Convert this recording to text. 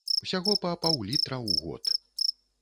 Усяго па паўлітра ў год.